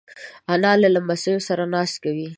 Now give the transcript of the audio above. انا له لمسیو سره ناز کوي